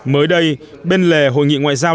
mới đây bên lề hội nghị ngoại giao